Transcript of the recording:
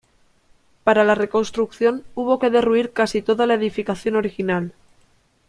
Para la reconstrucción hubo que derruir casi toda la edificación original.